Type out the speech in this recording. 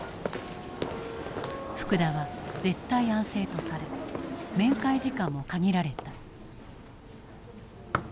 福田は絶対安静とされ面会時間も限られた。